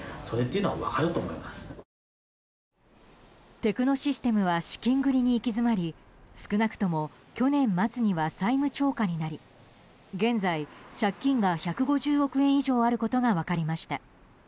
テクノシステムは資金繰りに行き詰まり少なくとも去年末には債務超過になり現在、借金が１５０億円以上あることが分かりました。